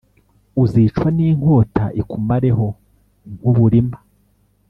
uzicwa n’inkota ikumareho nk’uburima